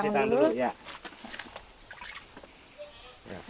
sampai kering ya pak